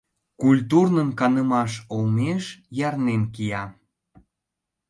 Культурнын канымаш олмеш ярнен кия.